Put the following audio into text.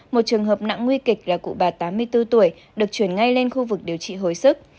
một trường hợp nặng nguy kịch là cụ bà tám mươi bốn tuổi được chuyển ngay lên khu vực điều trị hồi sức